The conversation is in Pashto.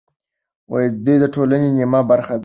دوی د ټولنې نیمه برخه ده.